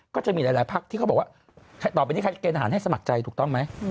ก็จะมีหลายพักที่เขาบอกว่าต่อไปนี้ใครจะเกณฑหารให้สมัครใจถูกต้องไหม